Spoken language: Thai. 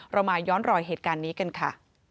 เรามาย้อนรอยเหตุการณ์นี้กันค่ะ